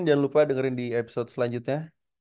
jangan lupa dengerin di episode selanjutnya